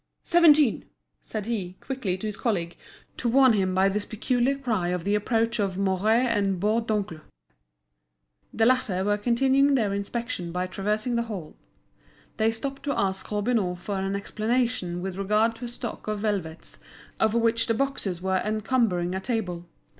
seventeen!" said he, quickly, to his colleague, to warm him by this peculiar cry of the approach of Mouret and Bourdoncle. These latter were continuing their inspection by traversing the hall. They stopped to ask Robineau for an explanation with regard to a stock of velvets of which the boxes were encumbering a table.